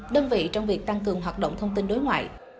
đơn vị trong việc tăng cường hoạt động thông tin đối ngoại